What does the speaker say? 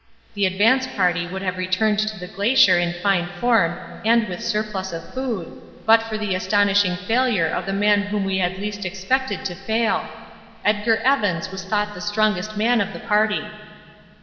The advance party would have returned to the glacier in fine form and with surplus of food, but for the astonishing failure of the man whom we had least expected to fail. Edgar Evans was thought the strongest man of the party.